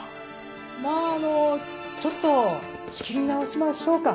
まぁあのちょっと仕切り直しましょうか。